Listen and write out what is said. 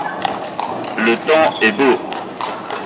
Le temps est beau.